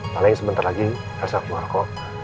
paling sebentar lagi asal keluar kok